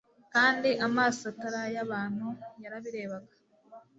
Kandi amaso atari ay'abantu yarabirebaga.